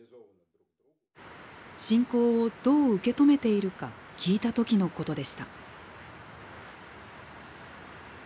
侵攻をどう受け止めているか聞いたときのことでした。